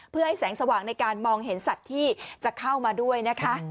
เพื่อให้แสงสว่างในการมองเห็นสัตว์ที่จะเข้ามาด้วยนะคะ